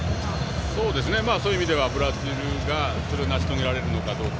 そういう意味ではブラジルがそれを成し遂げられるのかどうか。